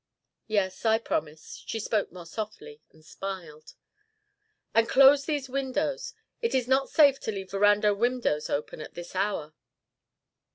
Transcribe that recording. "Yes, I promise." She spoke more softly and smiled. "And close these windows. It is not safe to leave veranda windows open at this hour."